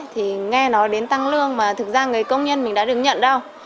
mình nghe nói đến tăng lương mà thực ra người công nhân mình đã được nhận đâu